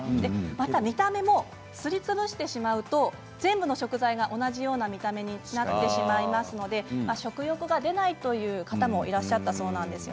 また見た目もすりつぶしてしまうと全部の食材が同じような見た目になってしまいますので食欲が出ないという方もいらっしゃったそうなんです。